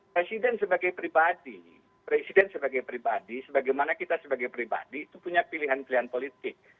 presiden sebagai pribadi presiden sebagai pribadi sebagaimana kita sebagai pribadi itu punya pilihan pilihan politik